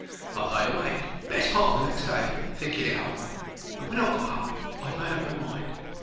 I lay awake best part of next day thinking it over, and when I got up I 'ad made up my mind.